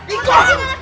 ikut gue sekarang